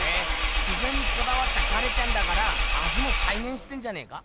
自ぜんにこだわったガレちゃんだからあじもさいげんしてんじゃねえか？